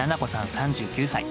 ３９歳。